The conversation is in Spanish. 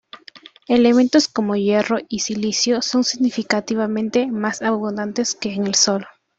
Elementos como hierro y silicio son significativamente más abundantes que en el Sol.